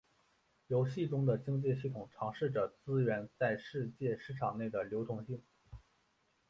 游戏中的经济系统尝试着资源在世界市场内的流动性。